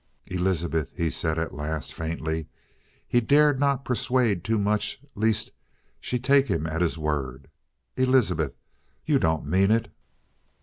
"Elizabeth," he said at last, faintly he dared not persuade too much lest she take him at his word. "Elizabeth, you don't mean it.